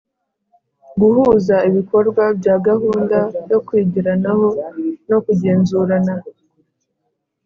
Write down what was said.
Guhuza ibikorwa bya gahunda yo kwigiranaho no kugenzurana